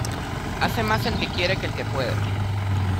Hace más el que quiere que el que puede.